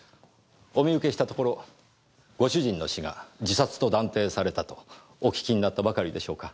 お見受けしたところご主人の死が自殺と断定されたとお聞きになったばかりでしょうか。